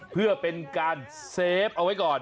เพื่อเป็นการเซฟเอาไว้ก่อน